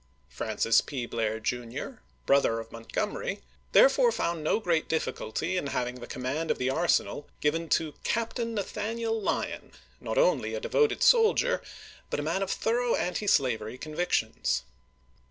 Francis P. Blair, Jr., brother of Montgomery, therefore found no great difficulty in having the command of the arsenal given to Captain Nathaniel Lyon, not only a devoted soldier, but a man of thorough anti slavery convictions.